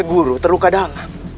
syekh guru terluka dalam